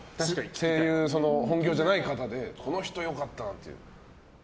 声優、本業じゃない方にこの人良かったなというのは。